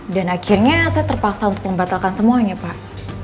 dan akhirnya saya terpaksa untuk membatalkan semuanya pak